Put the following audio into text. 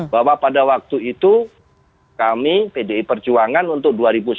bahwa pada waktu itu kami pdi perjuangan untuk dua ribu sembilan belas